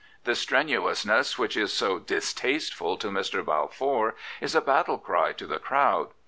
The strenuousness which is so distasteful to Mr. Balfour is a battle cry to the crowd.